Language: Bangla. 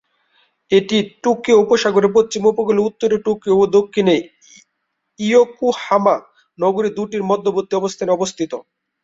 এটি টোকিও উপসাগরের পশ্চিম উপকূলে, উত্তরে টোকিও ও দক্ষিণে ইয়োকোহামা নগরী দুইটির মধ্যবর্তী অবস্থানে অবস্থিত।